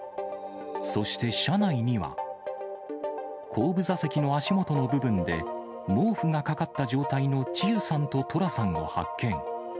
そして車内には、後部座席の足元の部分で、毛布がかかった状態の千結さんと十楽さんを発見。